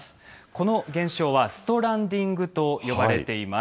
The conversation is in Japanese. この現象は、ストランディングと呼ばれています。